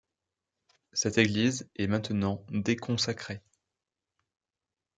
Cette église est maintenant déconsacrée.